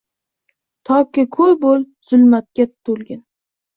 Toki ko‘r bo‘l — zulmatga to‘lgin